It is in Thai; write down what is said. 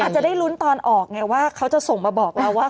จะได้ลุ้นตอนออกไงว่าเขาจะส่งมาบอกเราว่า